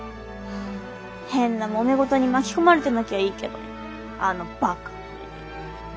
変なもめ事に巻き込まれてなきゃいいけどあのバカ。